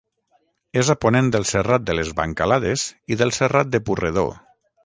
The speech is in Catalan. És a ponent del Serrat de les Bancalades i del Serrat de Purredó.